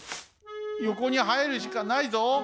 よこにはえるしかないぞ。